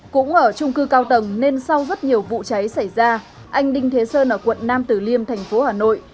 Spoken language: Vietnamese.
cũng ở trung cư cao tầng nên sau rất nhiều vụ trái xảy ra anh đinh thế sơn ở quận nam tử liêm tp hà nội